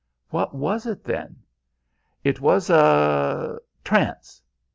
"What was it, then?" "It was a trance."